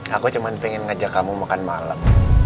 aku cuma pengen ngajak kamu makan malam